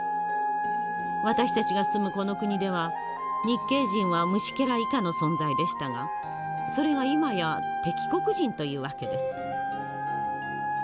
私たちが住むこの国では日系人は虫けら以下の存在でしたがそれが今や敵国人という訳です。